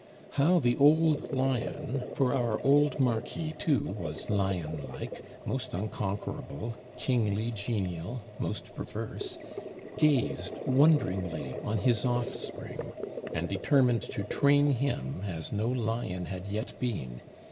How the old lion (for our old Marquis, too, was lion like, most unconquerable, kingly genial, most perverse) gazed wondering on his offspring, and determined to train him as no lion had yet been!